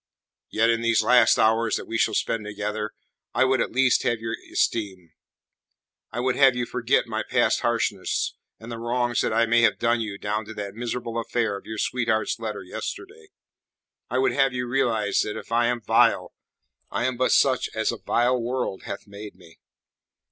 Yet in these last hours that we shall spend together I would at least have your esteem. I would have you forget my past harshness and the wrongs that I may have done you down to that miserable affair of your sweetheart's letter, yesterday. I would have you realize that if I am vile, I am but such as a vile world hath made me.